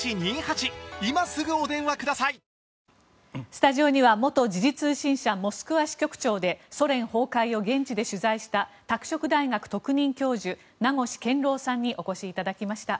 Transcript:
スタジオには元時事通信社モスクワ支局長でソ連崩壊を現地で取材した拓殖大学特任教授名越健郎さんにお越しいただきました。